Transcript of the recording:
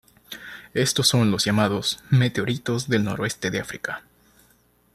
Estos son los llamados "Meteoritos del Noroeste de África".